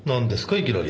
いきなり。